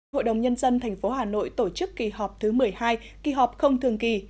hội đồng nhân dân tp hà nội tổ chức kỳ họp thứ một mươi hai kỳ họp không thường kỳ